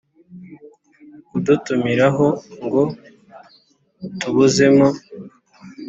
Kudutumiraho ngo tubuzemo